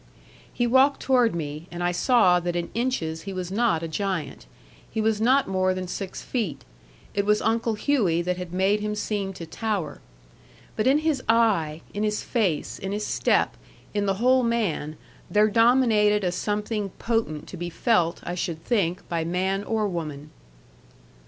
He walked toward me, and I saw that in inches he was not a giant. He was not more than six feet. It was Uncle Hughey that had made him seem to tower. But in his eye, in his face, in his step, in the whole man, there dominated a something potent to be felt, I should think, by man or woman.